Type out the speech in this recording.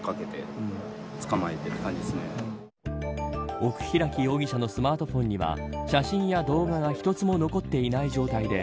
奥開容疑者のスマートフォンには写真や動画は１つも残っていない状態で